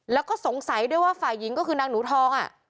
แล้วก็สงสัยด้วยว่าฝ่ายหญิงก็คือนางหนูทอง